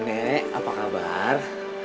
nenek apa kabar